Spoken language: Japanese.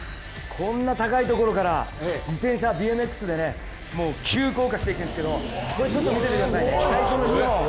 こんな高いところから自転車ＢＭＸで急降下していくんですけどちょっと見ててください、最初の２本。